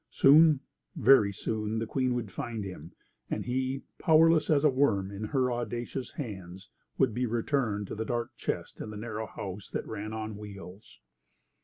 Soon, very soon the Queen would find him, and he, powerless as a worm in her audacious hands, would be returned to the dark chest in the narrow house that ran on wheels.